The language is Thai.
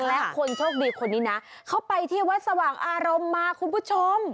และคนโชคดีคนนี้นะเขาไปที่วัดสว่างอารมณ์มาคุณผู้ชม